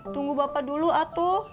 tunggu bapak dulu atuh